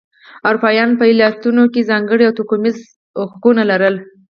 اروپایانو په ایالتونو کې ځانګړي او توکمیز حقونه لرل.